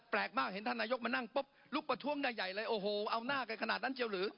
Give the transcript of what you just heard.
มากเห็นท่านนายกมานั่งปุ๊บลุกประท้วงใหญ่เลยโอ้โหเอาหน้ากันขนาดนั้นเจียวหรือ